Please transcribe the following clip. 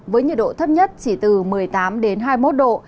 với nhiệt độ thấp nhất chỉ từ một mươi tám đến hai mươi một độ